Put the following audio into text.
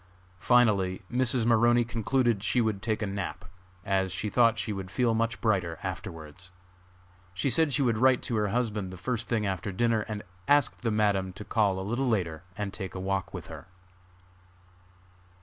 Finally Mrs. Maroney concluded she would take a nap, as she thought she would feel much brighter afterwards. She said she would write to her husband the first thing after dinner, and asked the Madam to call a little later and take a walk with her.